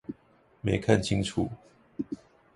沒看清楚